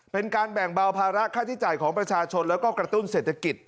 เป็นการแบ่งเบาภาระค่าใช้จ่ายของประชาชนแล้วก็กระตุ้นเศรษฐกิจ